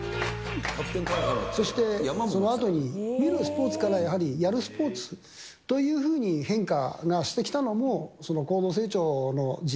そして、そのあとに見るスポーツから、やはりやるスポーツというふうに変化してきたのも、高度成長の時代。